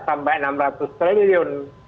tambah enam ratus triliun